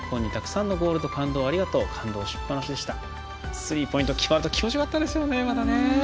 スリーポイント決まると気持ちよかったですよね。